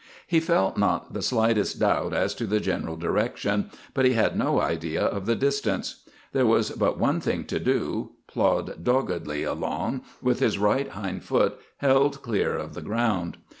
He felt not the slightest doubt as to the general direction, but he had no idea of the distance. There was but one thing to do plod doggedly along, with his right hind foot held clear of the ground.